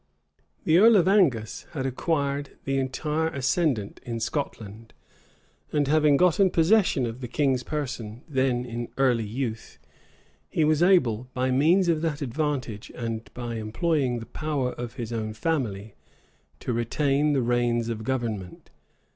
The earl of Angus had acquired the entire ascendant in Scotland; and having gotten possession of the king's person then in early youth, he was able, by means of that advantage, and by employing the power of his own family, to retain the reins of government.